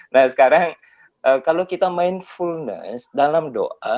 nah sekarang kalau kita mindfulness dalam doa